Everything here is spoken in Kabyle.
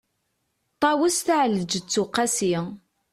ṭawes taεelǧeţ uqasi